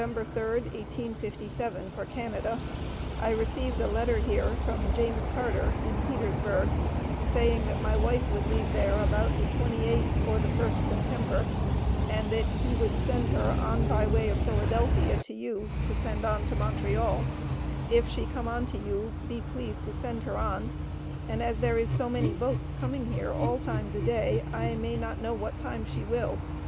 3d, 1857, for Canada I Received a letter here from James Carter in Peters burg, saying that my wife would leave there about the 28th or the first September and that he would send her on by way of Philadelphia to you to send on to Montreal if she come on you be please to send her on and as there is so many boats coming here all times a day I may not know what time she will.